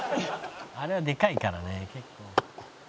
「あれはでかいからね結構」